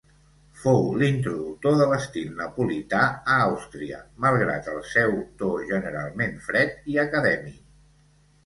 Fou l'introductor de l'estil napolità a Àustria, malgrat el seu to generalment fred i acadèmic.